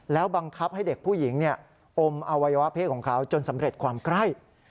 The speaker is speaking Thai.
แล้วบังคับให้เด็กผู้หญิงอมอวัยวะเพศของเขาจนสำเร็จความไคร้